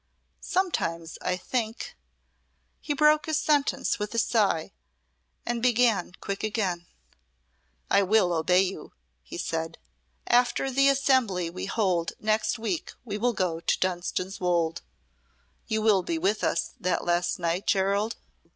Sometimes I think " He broke his sentence with a sigh and began quick again. "I will obey you," he said; "after the assembly we hold next week we will go to Dunstan's Wolde. You will be with us that last night, Gerald?"